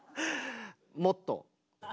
もっと？